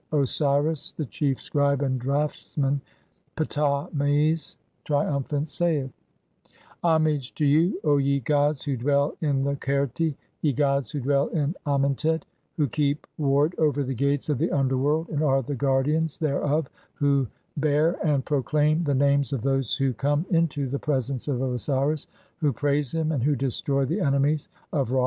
Osiris, (2) the chief scribe and draughtsman, Ptah mes, trium phant, saith :— "Homage to you, O ye gods who dwell in the Qerti, ye gods 'who dwell in Amentet, (3) who keep ward over the gates of 'the underworld and are the guardians [thereof], who bear and 'proclaim [the names of those who come] into the (4) presence 'of Osiris, who praise him and who destroy the enemies of Ra.